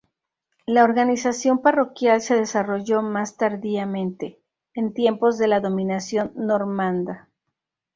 La organización parroquial se desarrolló más tardíamente, en tiempos de la dominación normanda.